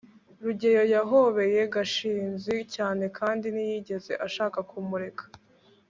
rugeyo yahobeye gashinzi cyane kandi ntiyigeze ashaka kumureka